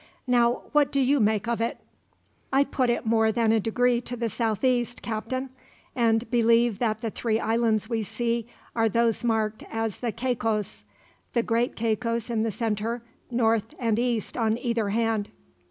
"Now, what do you make of it?" "I put it more than a degree to the southeast, Captain; and believe that the three islands we see are those marked as the Caicos: the Great Caicos in the center, North and East on either hand."